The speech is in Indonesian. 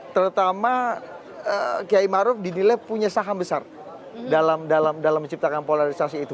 terutama kiai maruf dinilai punya saham besar dalam menciptakan polarisasi itu